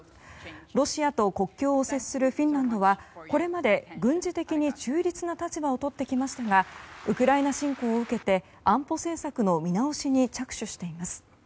ロシアと国境を接するフィンランドはこれまで、軍事的に中立な立場をとってきましたがウクライナ侵攻を受けて安保政策の見直しに着手しています。